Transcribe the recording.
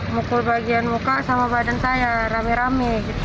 mukul bagian muka sama badan saya rame rame gitu